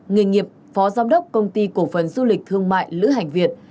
nghề nghiệp phó giám đốc công ty cổ phần du lịch thương mại lữ hành việt